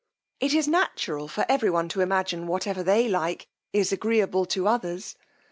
It is natural for every one to imagine whatever they like is agreeable to others.